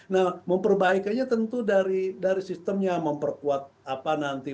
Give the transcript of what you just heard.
nah memperbaikinya tentu dari sistemnya memperkuat apa nanti